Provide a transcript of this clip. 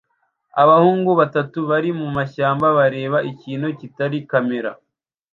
Abahungu batatu bari mumashyamba bareba ikintu kitari kamera